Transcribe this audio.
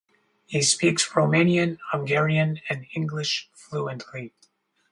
He speaks Romanian, Hungarian and English fluently.